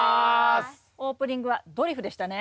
オープニングはドリフでしたね。